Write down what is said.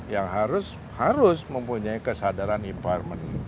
yang harus mempunyai kesadaran environment